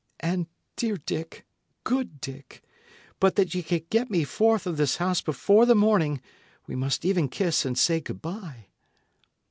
And, dear Dick good Dick but that ye can get me forth of this house before the morning, we must even kiss and say good bye."